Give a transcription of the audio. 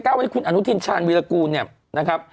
วันนี้คุณอนุทินชาญวีรกูลเนี่ยนะครับ